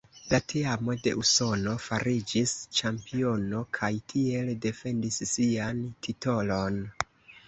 La teamo de Usono fariĝis ĉampiono kaj tiel defendis sian titolon.